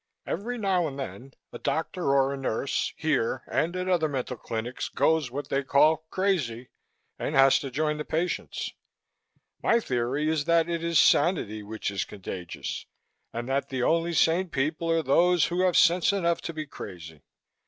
Every now and then a doctor or a nurse here and at other mental clinics goes what they call crazy and has to join the patients. My theory is that it is sanity which is contagious and that the only sane people are those who have sense enough to be crazy.